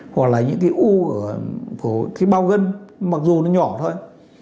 hoặc là những cái u ở cái bao gân mặc dù nó nhỏ thôi